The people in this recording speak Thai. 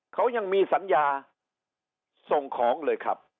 เขายังมีสัญญาส่งของเลยครับ